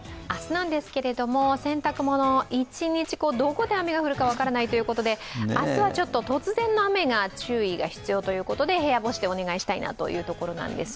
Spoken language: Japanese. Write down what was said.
明日なんですけれども、洗濯物、一日、どこで雨が降るか分からないということで、明日は突然の雨に注意が必要ということで部屋干しでお願いしたいなというところなんです。